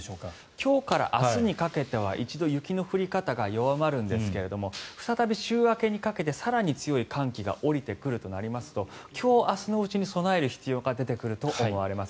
今日から明日にかけては一度雪の降り方が弱まるんですが再び週明けにかけて更に強い寒気が下りてくるとなりますと今日明日のうちに備える必要が出てくると思われます。